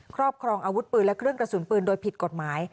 ครอบครองอาวุธปืนและเครื่องกระสุนปืนโดยผิดกฎหมาย